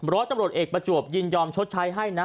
ร้อยตำรวจเอกประจวบยินยอมชดใช้ให้นะ